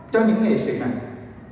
cho những nghệ sĩ này